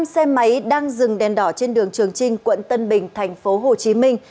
năm xe máy đang dừng đèn đỏ trên đường trường trinh quận tân bình thành phố hồ chí minh